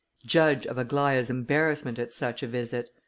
Judge of Aglaïa's embarrassment at such a visit.